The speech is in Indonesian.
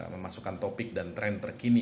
memasukkan topik dan tren terkini